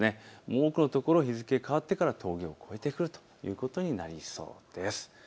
多くの所、日付変わってから峠を越えてくるということになりそうです。